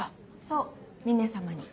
そう峰様に。